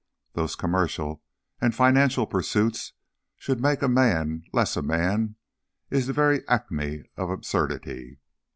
Those commercial and financial pursuits should make a man less a man is the very acme of absurdity.